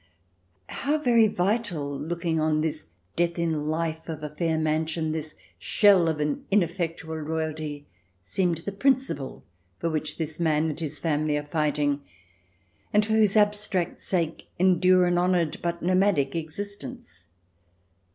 How very vital — looking on this death in life of a fair mansion, this shell of an ineffectual royalty — seemed the principle for which this man and his family are fighting, and for whose abstract sake endure an honoured but nomadic existence.